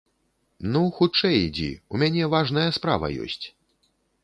Ну, хутчэй ідзі, у мяне важная справа ёсць!